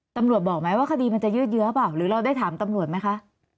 ตำรวจบอกไหมว่าคดีมันจะยืดเยอะหรือเราได้ถามตำรวจไหมคะ